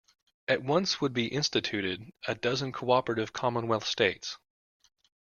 At once would be instituted a dozen cooperative commonwealth states.